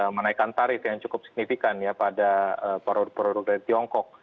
menaikkan tarif yang cukup signifikan ya pada produk produk dari tiongkok